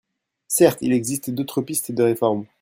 Certes, il existe d’autres pistes de réforme.